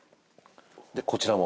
でこちらも？